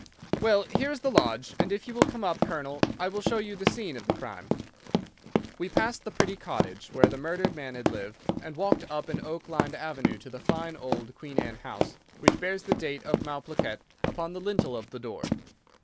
Well, here is the lodge, and if you will come up, Colonel, I will show you the scene of the crime." We passed the pretty cottage where the murdered man had lived, and walked up an oak lined avenue to the fine old Queen Anne house, which bears the date of Malplaquet upon the lintel of the door.